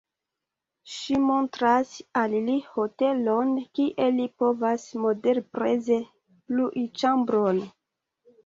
Ŝi montras al li hotelon kie li povas moderpreze lui ĉambron.